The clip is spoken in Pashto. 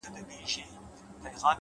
هوښیار انسان هره شېبه ارزوي’